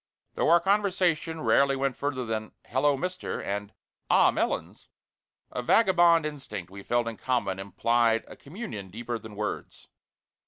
Though our conversation rarely went further than "Hello, Mister!" and "Ah, Melons!" a vagabond instinct we felt in common implied a communion deeper than words.